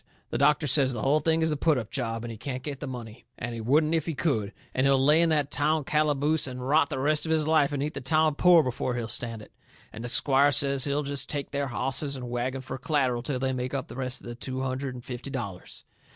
The doctor says the hull thing is a put up job, and he can't get the money, and he wouldn't if he could, and he'll lay in that town calaboose and rot the rest of his life and eat the town poor before he'll stand it. And the squire says he'll jest take their hosses and wagon fur c'latteral till they make up the rest of the two hundred and fifty dollars.